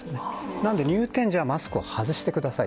なんで、入店時はマスクを外してください。